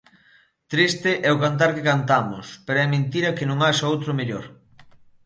Triste é o cantar que cantamos pero é mentira que non haxa outro mellor.